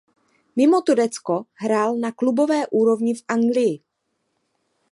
Mimo Turecko hrál na klubové úrovni v Anglii.